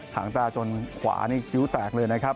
หางตาจนขวานี่คิ้วแตกเลยนะครับ